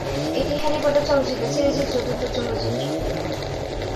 এটি Harry Potter চলচ্চিত্র সিরিজের চতুর্থ চলচ্চিত্র।